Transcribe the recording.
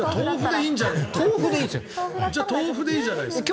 じゃあ豆腐でいいじゃないですか。